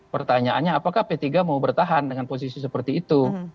pertanyaannya apakah p tiga mau bertahan dengan posisi seperti itu